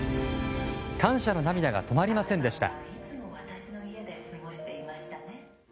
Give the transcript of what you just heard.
感謝の涙が止まりませんでした。